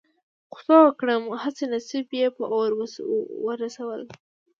خو څه وکړم هسې نصيب يې په اور وسوله.